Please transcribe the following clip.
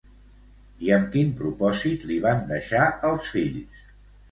I amb quin propòsit li van deixar els fills?